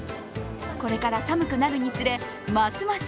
これから寒くなるにつれますます